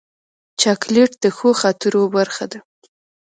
چاکلېټ د ښو خاطرو برخه ده.